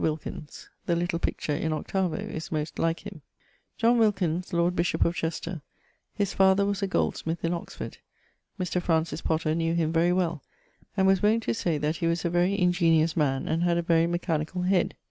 Wilkins: the little picture in 8vo most like him. John Wilkins, Lord Bishop of Chester; his father was a goldsmith in Oxford. Mr. Francis Potter knew him very well, and was wont to say that he was a very ingeniose man, and had a very mechanicall head.